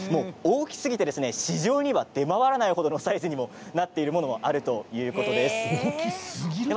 大きすぎて、市場には出回らないほどのサイズにもなっているものもあるということです。